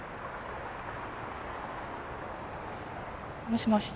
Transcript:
もしもし。